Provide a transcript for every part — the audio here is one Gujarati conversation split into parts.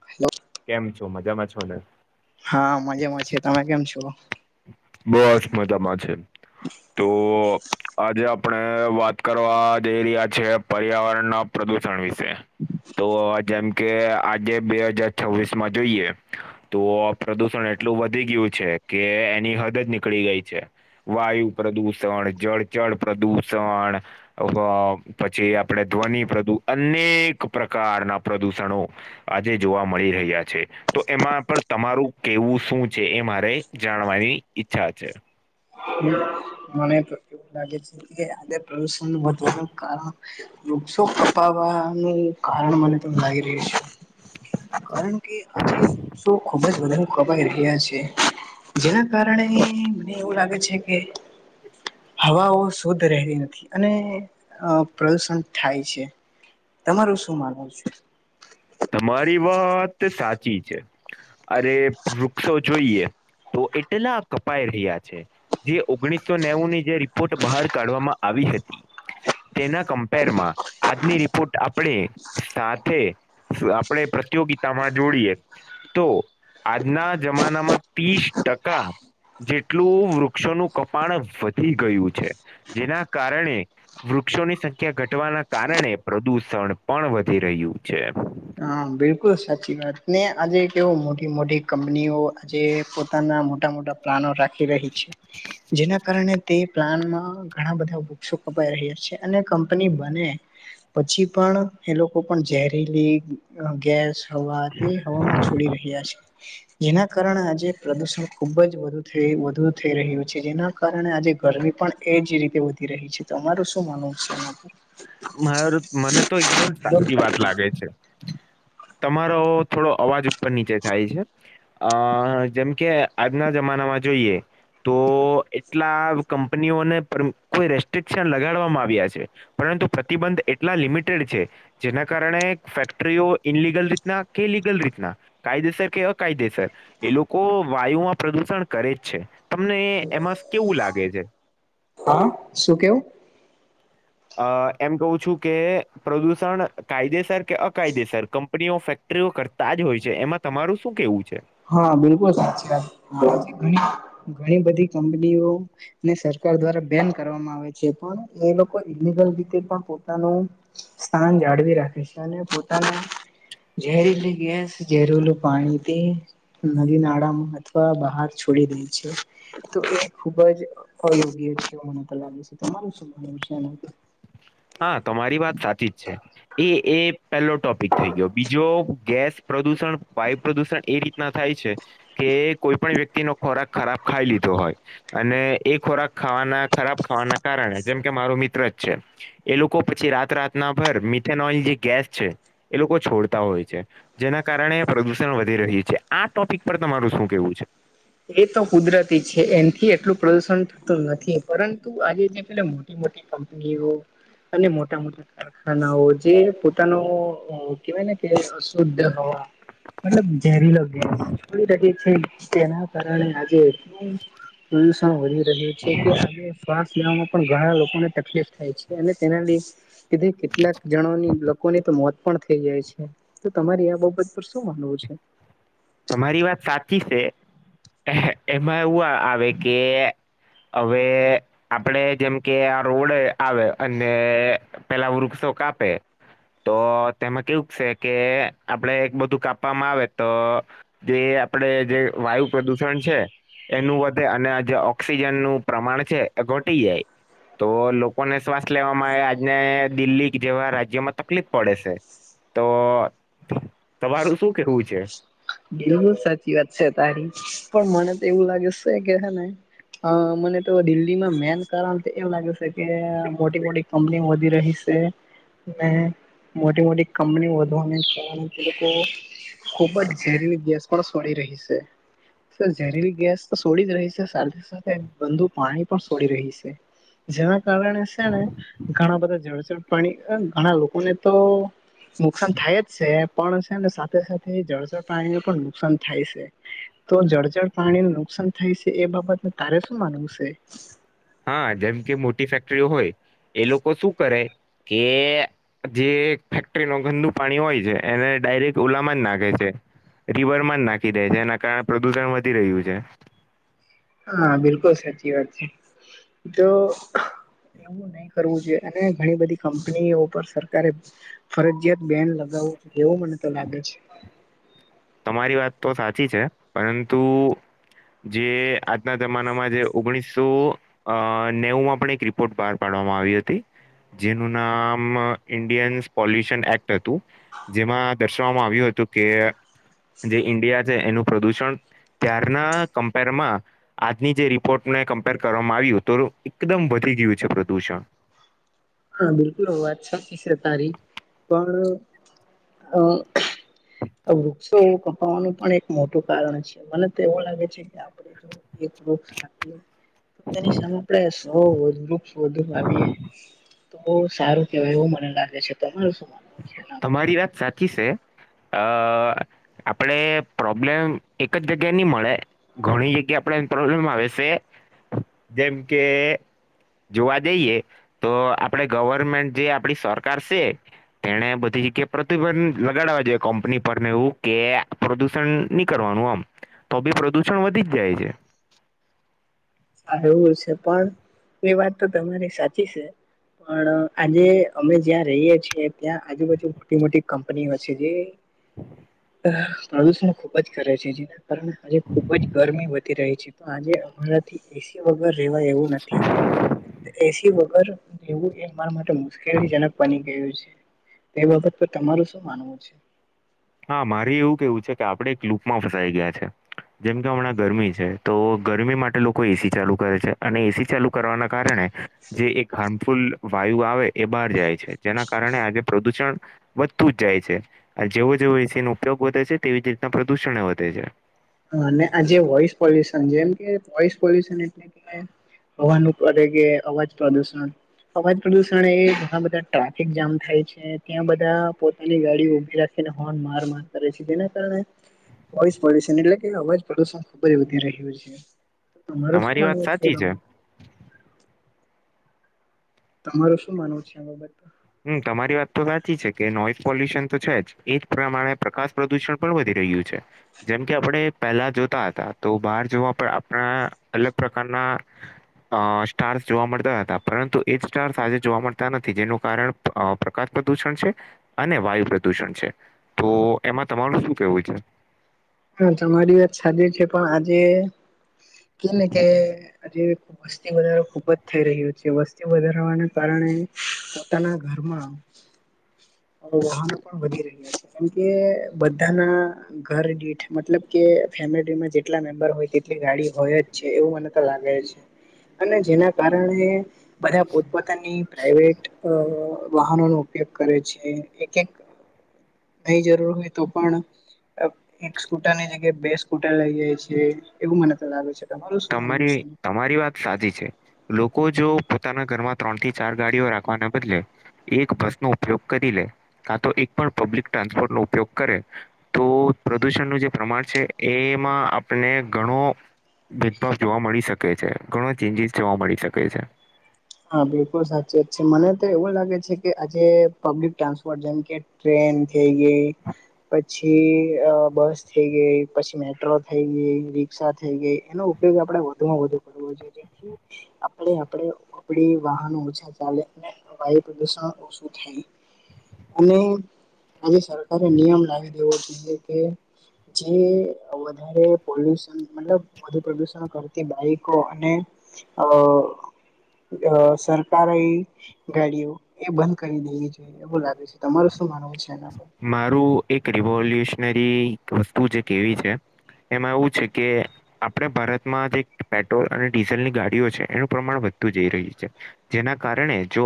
હલો કેમ છો મજામાં છો ને હા મજામાં છે તમે કેમ છો બહ અષ મજામાં છે તો આજે આપણે વાત કરવા જઈ રહ્યા છએ પર્યાવરણના પ્રદુષણ વિશે હા તો જેમ કે આજે બે હજાર છવ્વીસ માં જોઈએ તો પ્રદુષણ એટલું વધી ગયું છે કે એની હદ જ નીકળી ગઈ છે. વાયુ પ્રદુષણ જળચળ પ્રદુષણ પછી આપણે ધ્વનિ પ્રદુ અનેક પ્રકારના પ્રદૂષણો આજે જોવા મળી રહ્યા છે તો એમાં પર તમારું કેવું શું છે એ મારે જાણવાની ઈચ્છા છે. મને એવું લાગે છેુણ વધુ કાર વૃક્ષો કપાવાનું કારણ મને તો લાગી રહ્યું છે. કારણ કે આજે વૃત્સો ખુબ જ વધારે ખવાાઈ રહ્યા છે જેના કારણે મને એવું લાગે છે કે. હવાઓ શુદ્ધ રહેતી નથી અને પ્રદુષણ થાય છે તમારું શું માનવ છે. તમારી વાત સાચી છે. અરે વૃક્ષો જોઈએ તો એટલા કપાઈ રહ્યા છે જે ઓગણીસો નેવુંની જે રિપોર્ટ બહાર કાઢવામાં આવી હતી તેના કમ્પેરમાં આજની રિપોર્ટ આપણે સાથે. આપણેે પ્રતિયોગિતા માં જોડીએ તો આજના જમાનામાં ત્રીસ ટકા જેટલું વૃક્ષોનું કપાણ વધી ગયું છે જેના કારણે. વૃક્ષોની સંખ્યા ઘટવાના કારણે પ્રદૂષણ પણ વધી રહ્યું છે હા બિલકુલ સાચી વાત ને આજે કેવો મોટી મોટી કંપનીઓ આજે પોતાના મોટા મોટા રાખી રહી છે જેના કારણે તે પ્લાનમાં ઘણા બધા વુક્ષો કપાઈ રહ્યા છે અને કંપની બને પછી પણ એ લોકો પણ ઝેરીલી ગેસ હવા તે હવામાં છોડી રહ્યા છે જેના કારણે આજે પ્રદુષણ ખુબ જ વધુ થ વધુ થઈ રહ્યું છે જેના કારણે આજે ગરમી પણ એ જ રીતે વધી રહી છે તો અમારું શું માનવું છે એમાંથી મા, મને તો એકદમ સાચી વાત લાગે છે. તમારો થોડો અવાજ ઉપર-નીચે થાય છે. અ જેમ કે આજના જમાનામાં જોઈએ. તો એટલા કંપનીઓને કોઈ રેસ્ટ્રિકશન લગાડવામાં આવ્યા છે. પરંતુ પ્રતિબંધ એટલા લિમિટેડ છે. જેના કારણે ફેક્ટરીઓ ઇનલિગલ રીતના કે લીગલ રીતના કાયદેસર કે અકાયદેસર એ લોકો વાયુમાં પ્રદુષણ કરે જ છે. તમને એમાં કેવું લાગે છે? હા, શું કેવું? અ, એમ કહું છું કે પ્રદુષણ કાયદેસર કે અકાયદેસર? ધણીની ફેક્ટરીઓ કરતા જ હોય છે, એમાં તમારું શું કેવું છે? હા, બિલકુલ સાચી વાત. ઘણી બધી કંપનીઓ ને સરકાર દ્વારા બેન કરવામાં આવે છે, પણ એ લોકો ઈલિગલ રીતે પણ પોતાનું સ્થાન જાળી રાખે છે અને પોતાનું. ઝેરીલી ગેસ, ઝેરેલું પાણીથી નદી નાળામાં અથવા બહાર છોડી દે છે. તો એ ખુબ જ અયોગ્ય છે, મને તો લાગે છે. તમારું શું માનવું છે એનાથી? હા, તમારી વાત સાચી જ છે. એ, એ પહેલો ટોપિક થઈ ગયો. બીજો ગેસ પ્રદુષણ, વાયુ પ્રદુષણ એ રી થાય છે કે કોઈ પણ વ્યક્તિ નો ખોરાક ખરાબ ખાઈ લીધો હોય. અને એ ખોરાક ખાવાના ખરાબ ખાવાના કારણે, જેમ કે મારો મિત્ર છે. એ લોકો પછી રાત રાતના મિથેનોઇલ જે ગેસ છે. એ લોકો છોડતા હોય છે. જેના કારણે પ્રદુષણ વધી રહ્યું છે. આ ટોપિક પર તમારું શું કેવું છે? એ તો કુદરતી છે. એનથી એટલું પ્રદુષણ થતું નથી, પરંતુ આજે જે મોટી-મોટી કંપની અને મોટા-મોટા કારખાનાઓ, જે પોતાનો કેવાય ને કે, શુદ્ધ હવા મતલબ, જહેરીલો ગેસ. [unintelligible] કારણે આજે એટલું પ્રદુષણ વધી રહ્યું છે કે આજે ઘણા લોકોને તકલીફ થાય છે અને તેનાથી. કીધી કેટલાક જણની લોકોની તો મોત પણ થઈ જાય છે. તો તમારે આ બાબત પર શું માનવું છે? તમારી વાત સાચી છે. એમાં એવું આવે કે હવે આપડે, જેમ કે આ રોડ આવે, અને પેલા વૃક્ષો કાપે. તો તેમાં કેવું છે કે, આપડે એક બધું કાપવામાં આવે, તો જે આપડે જે વાયુ પ્રદુષણ છે. એનું વધે, અને જે ઓક્સિજન નું પ્રમાણ છે, એ ઘટી જાય. તો લોકોને શ્વાસ લેવામાં, આજને દિલ્હી જેવા રાજ્યોમાં, તકલીફ પડે છે. તો તમારું શું કેવું છે? બિલકુલ સાચી વાત છે તારી, પણ મને તો એવું લાગે છે કે હ ને હ, મને તો દિલ્હીમાં મેન કારણ તો એમ લાગે છે કે મોટી મોટી અમલી વધી રહી છે. મોટી મોટી કંપની વધવાની, કે લોકો ખુબ જ શરીરની ગ્યાસ પણ સોળી રહી છે. સર, ઝેરીલી ગેસ તો સોડી જ રહી છે, સાથે સાથે ગદુ પાણી પણ સોડી રહી છે. હ. [unintelligible] જેના કારણે છે ને, ઘણા બધા જળચર, પાણી, ઘણા લોકોને તો નુકસાન થાય જ છે, પણ છે ને, સાથે સાથે જળ જર પાણીને પણ નુકસાન થાય છે. તો જળચર જળ પાણીને નુકસાન થાય છે, એ બાબત તારે શું માનવું છે? હા જેમ કે મોટી ફેક્ટરીઓ હોય એ લોકો શું કરે કે જે ફેક્ટરી ન ગંદુ પાણી હોય છે એને ડાયરેક્ટ ઉલામાં જ નાખે છે. રિવરમાં જ નાખી દે છે એના કારણે પ્રદુષણ વધી રહ્યું છે. હા બિલકુલ સાચી વાત છે તો નહી કરવું જોઈએ અને ઘણી બધી કંપનીઓ પર સરકારે ફરજયાત બેન લગાવવું એવું મને તો લાગે છે. તમારી વાત તો સાચી છે પરંતુ જે આજના જમાનામાં જે ઓગણીસો અ નેવુંમાં પણ એક રિપોર્ટ બહાર પાડવામાં આવી હતી. જેનું નામ ઇન્ડિયન્સ પોલ્યુશન એક્ટ હતું. જેમાં દર્શાવવામાં આવ્યું હતું કે. જે ઈન્ડિયા છે, એનું પ્રદુષણ ત્યારના કમ્પેરમાં આજની જે રિપોર્ટને કમ્પેર કરવામાં આવ્યું તો એકદમ વધી ગયું છે પ્રદૂષણ હા બિલકુલ હ વાત સાચી છે, તારી પણ આ વૃક્ષો કપાવાનું પણ એક મોટું કારણ છે મને તો એવું લાગે છે કે આપ [inaudible] તો તેની સામે આપડે સૌ વૃક્ષ વધુ આવીએે. તો બહું સારું કેવાય એવું મને લાગે છે તમારું શું માનવું છે? પર? તમારી વાત સાચી છે અ આપડે પ્રોબ્લેમ એક જ જગ્યા ની મળે. ઘણી જગ્યા આપડ એ પ્રોબ્લેમ આવે છે, જેમ કે જોવા જઈએ તો આપડે ગવર્મેન્ટ જે આપડી સરકાર છે તેને કે પ્રદુષણ લગાડવા જોઈએ કંપની પરને એવું કે પ્રદુષણ નહી કરવાનું આમ તો બી પ્રદૂષણ વધી જ જાય છે. સારું છે, પણ એ વાત તો તમારી સાચી છે. પણ આજે અમે જ્યાં રહીએ છીએ ત્યાં આજુબાજુ મોટી મોટી કંપનીઓ છે જે પ્રદૂષણ ખૂબ જ કરે છે જેના કારણે આજે ખૂબ જ ગરમી વધી રહી છે પણ આજે અમારા એસી વગર રહેવા એવું નથી. એસી વગર રહેવું એ મારા માટે મુશ્કેલીજનક બની ગયું છે. એ બાબત તો તમારું શું માનવું છે? હા મારે એવું કેવું છે કે આપડે એક લુપમાં ફસાઈ ગયા છે. જેમ કે હમણાં ગરમી છે તો ગરમી માટે લોકો એસી ચાલુ કરે છે અને એસી ચાલુ કરવાના કારણે જે એક હાર્મફુલ વાયુ આવે એ બહાર જાય છે, જેના કારણે આજે પ્રદુષણ વધતું જ જાય છે જેવો જેવો વિશે એનો ઉપયોગ વધે છે તેવી જ રીતના પ્રદુષણ વધે છે. હ અને આજે વોઈસ પોલ્યુશન જેમ કે વોઇસ પોલ્યુશન એટલે કે હવાનું કરે કે અવાજ પ્રદુષણ અવાજ પ્રદુષણ એ ઘણા બધા ટ્રાફિક જામ થાય છે, ત્યાં બધા પોતાની ગાડીઓ ઉભી રાખે હોર્ન માર માર કરે છે જેના કારણે વોહીસ પોલ્યુશન એટલે અવાજ પ્રદુષણ ખુબ જ વધી રહ્યું છે તમારું શું તમારી વાત માનવું છે, સાચી બાબત? તમારું શું માનવું છે બાબત માં હમ તમારી વાત તો સાચી છે કે નોઈસ પોલ્યુશન તો છે જ એજ પ્રમાણે પ્રકાશ પ્રદુષણ પણ વધી રહ્યું છે. જેમ કે આપણે પહેલા જોતા હતા તો બહાર જોવા પર આપણા અલગ પ્રકારના અ સ્ટાર્સ જોવા મળતા હતા પરંતુ એ જ સ્ટાર્સ આજે જોવા મળતા નથી જેનું કારણ પ્રકાશ પ્રદુષણ છે અને વાયુ પ્રદૂષણ છે. તો એમાં તમારુ શું કેવું છે? હા તમારી વાત સાચ છે પણ આજે કે ને કે આજે વસ્તી વધારો ખુબ જ થઈ રહ્યો છે વસ્તી વધારવાના કારણે પોતાના ઘરમાં વાહનો પણ વધી રહ્યા છે. મ કે બધાના ઘર દીઠ મતલબ કે ફેમિલીમાં જેટલા મેમ્બર હોય ગાડી હોય જ છે એવું મને તો લાગે છે અને જેના કારણે બધા પોતપોતાની પ્રાાઈવેટ વાહનો નો ઉપયોગ કરે છે. એક એક નઈ જરૂર હોય તો પણ. એક સ્કૂટરની જગ્યાએ બે સ્કૂટર લઈ જાય છીએ એવું મને તો લાગે છે. તમારું શું માનવું તમારી છે? તમારી વાત સાચી છે લોકો જો પોતાના ઘરમાં ત્રણ થી ચાર ગાડીઓ રાખવાના બદલે એક બસ નો ઉપયોગ કરી લે કા તો એક પણ પબ્લિક ટ્રાન્સપોર્ટ નો ઉપયોગ કરે તો પ્રદુષણનું જે પ્રમાણ છે એમાં આપને ઘણો બિગ બોસ જોવા મળી શકે છે ઘણો ચેન્જીસ જોવા મળી શકે છે. હા બિલકુલ સાચીત છે મને તો એવું લાગે છે, કે આજે પબ્લિક ટ્રાન્સપોર્ટ જેમ કે ટ્રેન થઈ ગય પછી બસ થઈ ગઈ પછી મેટ્રો થઈ ગઈ હ થઈ ગઈ એનો ઉપયોગ આપણે વધુમાં વધુ કરવો જોઈએ જેથી આપણે આપણે આપ વાહનો ઓછા ચાલે વાયુ પ્રદુષણ ઓછું થાય. અને આજે સરકારે નિયમ લાવી દેવો જો કે જે વધારે પોલ્યુશન મતલબ વધુ પ્રદૂષણ કરતી બાઈકો અને અ અ સરકાર એ ગાડીઓ એ બંધ કરી દેવી જોઈએ એવું લાગે છે તમાર શું માનવું છે, એ મારું એક રિવોલ્યુશનરી વસ્તુ જે કેવી છે. એમાં એવું છે, કે આપણે ભારતમાં જે પેટ્રોલ અને ડીઝલ ની ગાડીઓ છે એનું પ્રમાણ વધતુ જઈ રહ્યું છે. જેના કારણે જો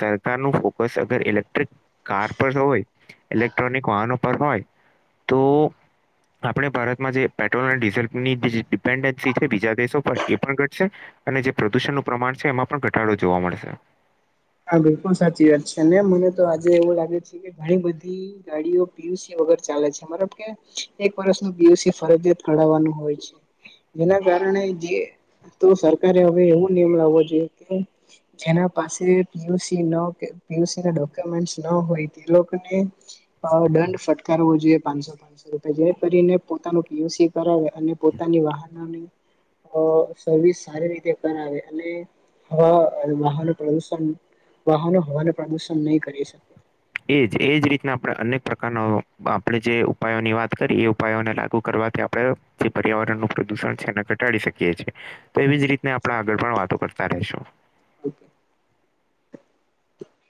સરકાર ન ફોકસ અગર ઇલેક્ટ્રિક કાર પર હોય ઇલેક્ટ્રોનિક વાહનો પર હોય તો આપણે ભારતમાં જે પેટ્રોલ અને ડીઝલની જે ડિપેન્ડન્સી છે, બીજા દેશો પર એ પણ ઘટશે અને જે પ્રદુષણનુંું પ્રમાણ છે, એમાં પણ ઘટાડો જોવા મળશે હા બિલકુલ સાચી વાત છે ને મને તો આજે એવું લાગે છે. ઘણી બધી ગાડીઓ પીયુસી વગર ચાલે છે, મારા એક વર્ષ ન બીયુસી ફરજિયાત કરઢાવવાનું હોય છે. જેના કારણે જે તો સરકારે હવે એવો નિયમ લાવવો જોઈએ કે જેના પાસે પીયુસી ન પીયુસી ના ડોક્યુમેન્ટ ન હોય તે લોકોને દંડ ફટકાર હોવો જોઈએ પાંચસો પા રપ જે કરીને પોતાનું પીયુસી કરાવે અને પોતાની વાહનોની સર્વિસ સારી રીતે કરાવે અને હવા અને વાહન પ્રદુષણ વાહનો હવાનું પ્રદુષણ નહી કરી શ એ જ એ જ રીતના આપણે અનેક પ્રકારનો આપણે જે ઉપાયોની વાત કરીએ એ ઉપાયોને લાગુ કરવાથી આપણે જે પર્યાવરણનુંું પ્રદુષણ છેને ઘટાડી શકી છીએ. તો એવી જ રીત આપણે આગળ પણ વાતો કરતા રશું ઓકે